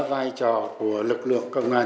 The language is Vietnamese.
vai trò của lực lượng công an